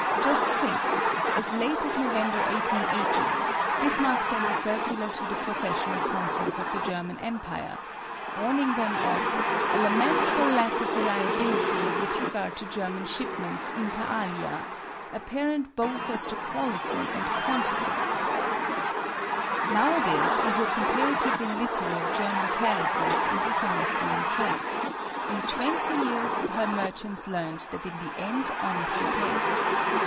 Just think, as late as November 1880, Bismarck sent a circular to the professional consuls of the German Empire, warning them of "a lamentable lack of reliability with regard to German shipments inter alia, apparent both as to quality and quantity;" now a days we hear comparatively little of German carelessness and dishonesty in trade. In twenty years her merchants learned that in the end honesty pays.